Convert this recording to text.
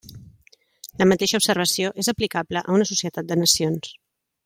La mateixa observació és aplicable a una societat de nacions.